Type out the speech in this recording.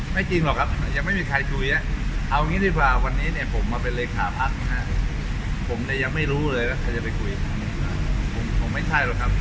ไม่จริงหรอกครับยังไม่มีใครคุยเอาอย่างงี้ดีกว่าวันนี้ผมมาเป็นเลยราคาภัสผมแต่ยังไม่รู้เลยว่าใครจะไปคุย